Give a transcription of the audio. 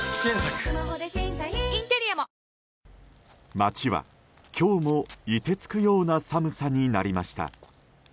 町は今日も凍てつくような寒さになりました。